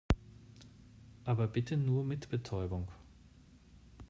Aber bitte nur mit Betäubung.